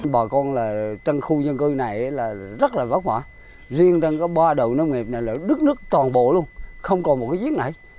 bà con ở trong khu dân cư này rất là vất vả riêng trong có ba đồng nông nghiệp này là đất nước toàn bộ luôn không còn một cái giếng ngãi